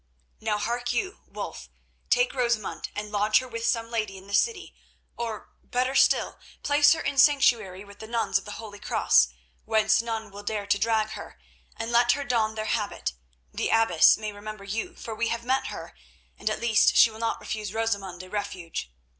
"Now, hark you, Wulf; take Rosamund and lodge her with some lady in this city, or, better still, place her in sanctuary with the nuns of the Holy Cross, whence none will dare to drag her, and let her don their habit. The abbess may remember you, for we have met her, and at least she will not refuse Rosamund a refuge."